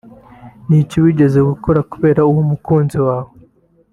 ni iki wigeze ukora kubera uwo mukunzi wawe